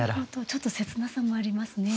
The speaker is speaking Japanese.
ちょっと切なさもありますね。